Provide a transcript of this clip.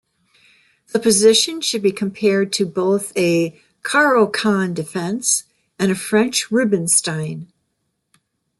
The position should be compared to both a Caro-Kann Defense and a French Rubinstein.